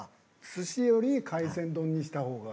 寿司より海鮮丼にした方が。